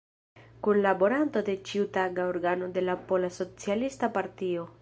Kunlaboranto de ĉiutaga organo de la Pola Socialista Partio.